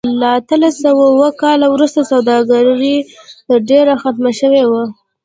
له اتلس سوه اووه کال وروسته سوداګري تر ډېره ختمه شوې وه.